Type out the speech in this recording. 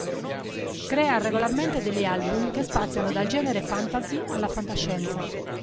Crea regolarmente degli album che spaziano dal genere fantasy alla fantascienza.